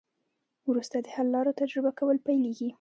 وروسته د حل لارو تجربه کول پیلیږي.